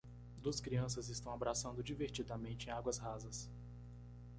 Duas crianças estão abraçando divertidamente em águas rasas.